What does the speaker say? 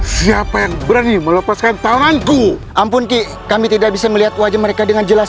siapa yang berani melepaskan tanganku ampun kik kami tidak bisa melihat wajah mereka dengan jelas